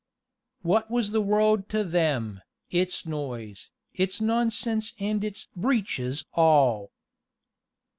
What was the world to them, Its noise, its nonsense and its "breeches" all?